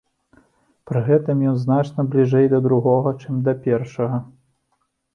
Пры гэтым ён значна бліжэй да другога, чым да першага.